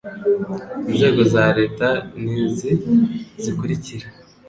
inzego za leta ni izi zikurikira